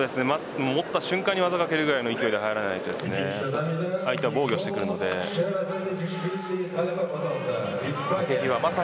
持った瞬間に技をかけるくらいの勢いで入らないと相手は防御をしてきます。